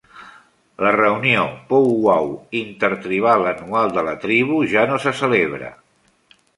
La reunió (pow wow) intertribal anual de la tribu ja no se celebra.